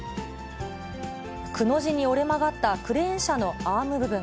くの字に折れ曲がったクレーン車のアーム部分。